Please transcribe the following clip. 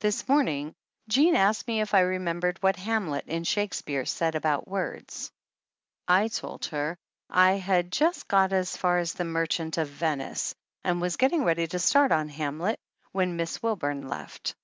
This morning Jean asked me if I remembered what Hamlet in Shakespeare said about words. 170 THE ANNALS OF ANN I told her I had just got as far as The Merchant of Venice and was getting ready to start on Hamlet when Miss Wilburn left.